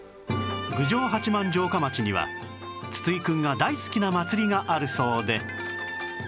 郡上八幡城下町には筒井くんが大好きな祭りがあるそうで